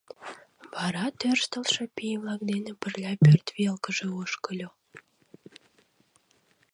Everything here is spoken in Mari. Вара тӧрштылшӧ пий-влак дене пырля пӧрт велкыже ошкыльо.